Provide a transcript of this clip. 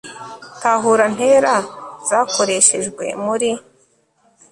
tahura ntera zakoreshejwe muri